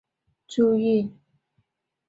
从此饮食都需要非常注意